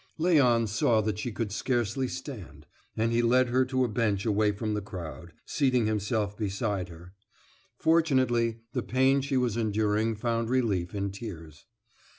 Léon saw that she could scarcely stand, and he led her to a bench away from the crowd, seating himself beside her. Fortunately, the pain she was enduring found relief in tears.